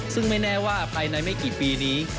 ซึ่งไม่แน่ว่าภายในไม่กี่ปีนี้